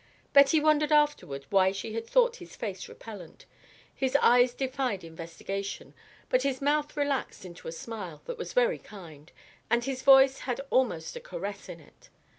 Betty wondered afterward why she had thought his face repellent. His eyes defied investigation, but his mouth relaxed into a smile that was very kind, and his voice had almost a caress in it.